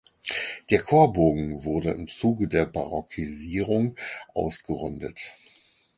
Der Chorbogen wurde im Zuge der Barockisierung ausgerundet.